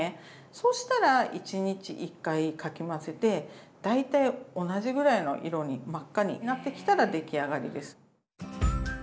そうしたら１日１回かき混ぜて大体同じぐらいの色に真っ赤になってきたらできあがりです。